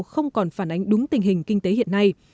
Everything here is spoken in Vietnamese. không còn phản ánh đúng tình hình kinh tế hiện nay